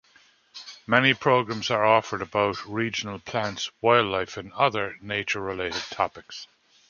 Many programs are offered about regional plants, wildlife, and other nature related topics.